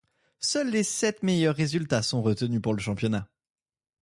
Seuls les sept meilleurs résultats sont retenus pour le championnat.